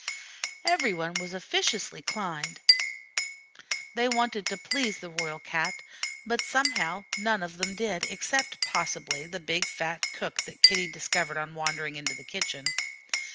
Every one was officiously kind. They wanted to please the Royal Cat, but somehow none of them did, except, possibly, the big, fat cook that Kitty discovered on wandering into the kitchen.